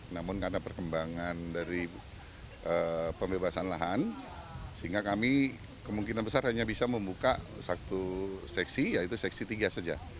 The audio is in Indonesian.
namun karena perkembangan dari pembebasan lahan sehingga kami kemungkinan besar hanya bisa membuka satu seksi yaitu seksi tiga saja